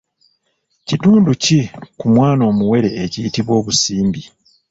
Kitundu ki ku mwana omuwere ekiyitibwa obusimbi?